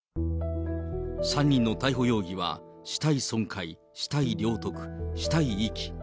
３人の逮捕容疑は死体損壊、死体領得、死体遺棄。